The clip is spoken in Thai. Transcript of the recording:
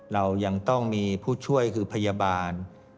เรายังต้องมีผู้ช่วยคือพยาบาล